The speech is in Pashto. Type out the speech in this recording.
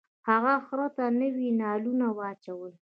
هغه خر ته نوي نالونه واچول.